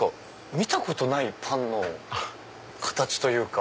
見たことないパンの形というか。